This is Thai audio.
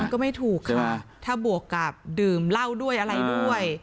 ก็ไม่ถูกค่ะถ้าบวกกับดื่มเหล้าด้วยอะไรด้วย